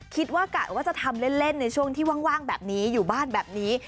กะว่าจะทำเล่นในช่วงที่ว่างแบบนี้อยู่บ้านแบบนี้